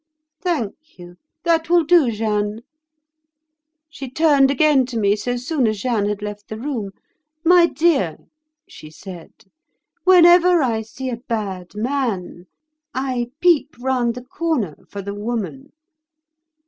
'Thank you, that will do, Jeanne.' She turned again to me so soon as Jeanne had left the room. 'My dear,' she said, 'whenever I see a bad man, I peep round the corner for the woman.